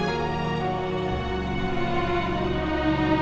aku mau makan